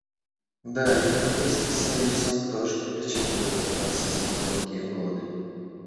Да и Европейский союз сам тоже вовлечен в этот процесс на долгие годы.